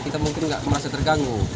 kita mungkin nggak merasa terganggu